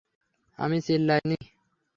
আমি চিল্লাই নি!